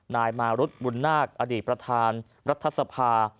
นายมารุธบุญนาคอดีตประธานรัฐสภา